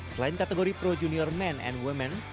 selain kategori pro junior men and women